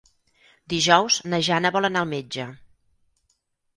Dijous na Jana vol anar al metge.